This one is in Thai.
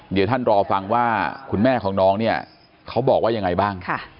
เดี๋ยวท่านรอฟังว่าคุณแม่ของน้องเนี่ยเขาบอกว่ายังไงบ้าง